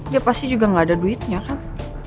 dia pasti juga gak ada duitnya kan